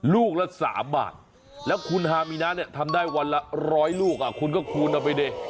ลูกละ๓บาทแล้วคุณฮามีนะเนี่ยทำได้วันละ๑๐๐ลูกคุณก็คูณเอาไปดิ